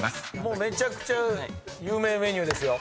めちゃくちゃ有名メニューですよ。